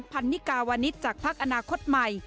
สาวพันนิกาวณิสจากภักดิ์อนาคตใหม่